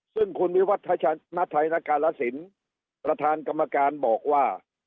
ซึ่งคุณวิวัฒนไทยณกาลสินประธานกรรมการบอกว่า